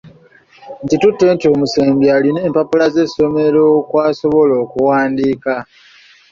Nkitutte nti omusembi alina empappula z'essomero kw'asobola okuwandiika.